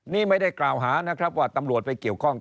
นี่ไม่ได้กล่าวหานะครับว่าตำรวจไปเกี่ยวข้อง